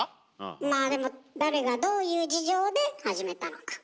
まあでも誰がどういう事情で始めたのか。